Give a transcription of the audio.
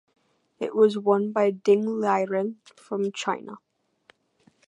It was won by Ding Liren from China.